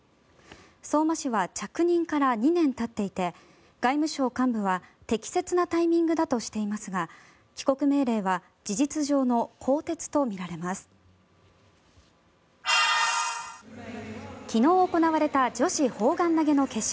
相馬氏は着任から２年たっていて外務省幹部は適切なタイミングだとしていますが帰国命令は事実上の更迭とみられます。